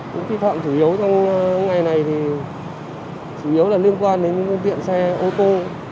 những vi phạm chủ yếu trong ngày này thì chủ yếu là liên quan đến phương tiện xe ô tô